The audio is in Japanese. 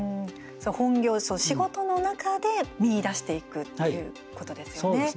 本業、仕事の中で見いだしていくっていうことですね。